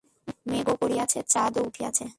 মেঘও করিয়াছে, চাঁদও উঠিয়াছে।